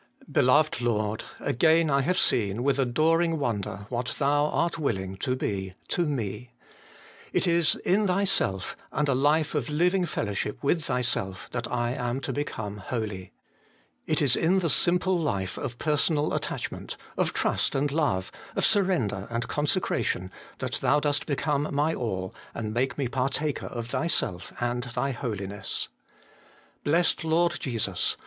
Beloved Lord ! again have I seen, with adoring wonder, what Thou art willing to be to me. It is in Thyself, and a life of living fellowship with Thyself, that I am to become holy. It is in the simple life of personal attachment, of trust and love, of surrender and consecration, that Thou dost become my all, and make me partaker of Thyself and Thy Holiness. Blessed Lord Jesus